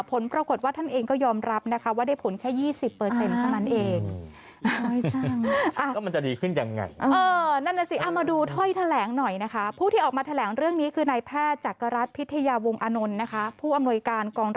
ผลปรากฏว่าท่านเองก็ยอมรับนะคะว่าได้ผลแค่๒๐เท่านั้นเอง